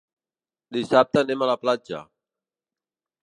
Dissabte anem a la platja.